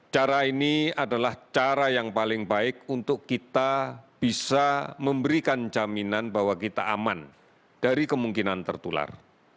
cara ini adalah cara yang paling baik untuk kita bisa memberikan jaminan bahwa kita aman dari kemungkinan tertular